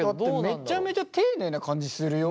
めっちゃめちゃ丁寧な感じするよ。